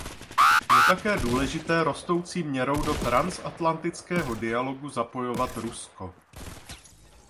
Je také důležité rostoucí měrou do transatlantického dialogu zapojovat Rusko.